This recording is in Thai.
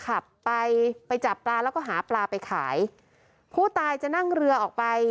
ขับไปไปจับปลาแล้วก็หาปลาไปขายผู้ตายจะนั่งเรือออกไป